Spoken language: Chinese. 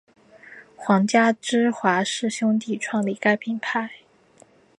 皇家芝华士兄弟创立该品牌。